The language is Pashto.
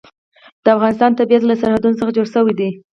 د افغانستان طبیعت له سرحدونه څخه جوړ شوی دی.